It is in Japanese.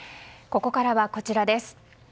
ここからは、こちらです。